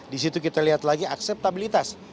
di situ kita lihat lagi akseptabilitas